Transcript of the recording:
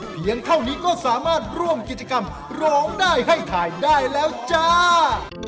เพียงเท่านี้ก็สามารถร่วมกิจกรรมร้องได้ให้ถ่ายได้แล้วจ้า